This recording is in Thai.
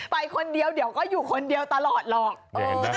ไปคนเดียวเดี๋ยวก็อยู่คนเดียวตลอดหรอก